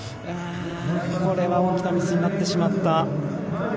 これは大きなミスになってしまった。